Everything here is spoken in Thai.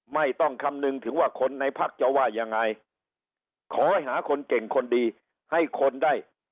ไม่ต้องคำนึงถึงว่าคนในพักจะว่ายังไงขอให้หาคนเก่งคนดีให้คนได้